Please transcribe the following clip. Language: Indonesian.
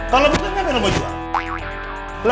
kalau bukan kenapa lu mau jual